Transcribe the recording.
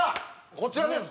こちらです。